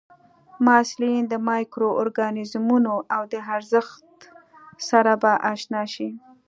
محصلین د مایکرو ارګانیزمونو او د ارزښت سره به اشنا شي.